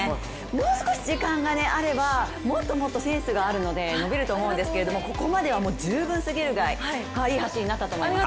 もう少し時間があればもっともっと、センスがあるので伸びると思うんですけれどもここまでは十分すぎるぐらいいい走りになったと思います。